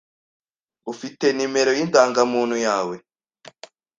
ufite nimero y’indangamuntu yawe